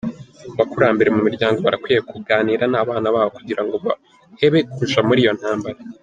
Abakurambere mu miryango barakwiye kuganira n'abana babo kugira bahebe kuja muri iyo ntambara.